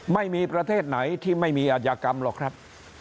ไม่มีประเทศไหนที่ไม่มีอาชญากรรมหรอกครับ